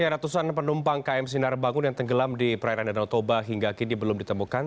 ratusan penumpang km sinar bangun yang tenggelam di perairan danau toba hingga kini belum ditemukan